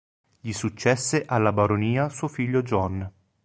Gli successe alla baronia suo figlio John.